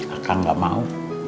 aku gak mau